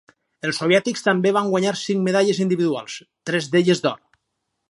Els soviètics també van guanyar cinc medalles individuals, tres d'elles d'or.